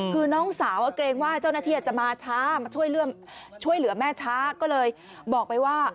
คือน้องสาวเกรงว่าเจ้าหน้าที่อาจจะมาช้ามาช่วยเหลือแม่ช้าก็เลยบอกไปว่า